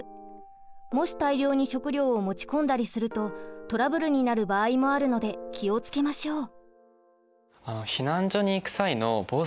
もし大量に食料を持ち込んだりするとトラブルになる場合もあるので気を付けましょう。